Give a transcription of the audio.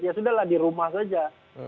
ya sudah lah di rumah saja